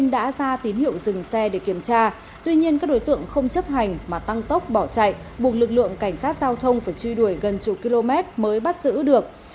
đã ra tín hiệu dừng xe để kiểm tra tuy nhiên các đối tượng không chấp hành mà tăng tốc bỏ chạy buộc lực lượng cảnh sát giao thông phải truy đuổi gần chục km mới bắt giữ được